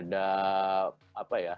ada pemerintah yang berpengaruh